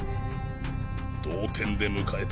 同点で迎えた